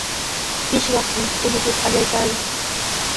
Pichqaqmi ullukuta allaykaayan.